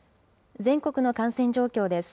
全国の感染状況です。